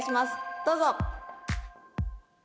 どうぞ！